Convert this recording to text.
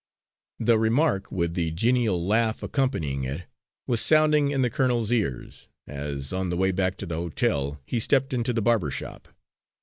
The remark, with the genial laugh accompanying it, was sounding in the colonel's ears, as, on the way back to the hotel, he stepped into the barber shop.